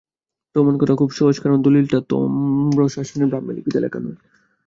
প্রমাণ করা খুব সহজ, কারণ দলিলটা তাম্রশাসনে ব্রাহ্মীলিপিতে লেখা নয়।